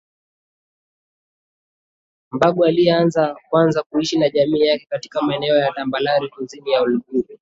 Mbago aliyeanza kwanza kuishi na jamii yake katika maeneo ya tambalare kusini ya Uluguru